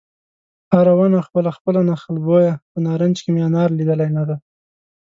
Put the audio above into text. هره ونه خپله خپله نخل بویه په نارنج کې مې انار لیدلی نه دی